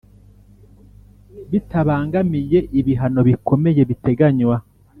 Bitabangamiye ibihano bikomeye biteganywa